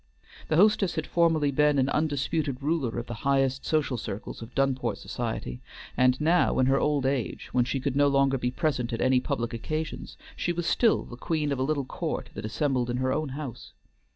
The hostess had formerly been an undisputed ruler of the highest social circles of Dunport society, and now in her old age, when she could no longer be present at any public occasions, she was still the queen of a little court that assembled in her own house.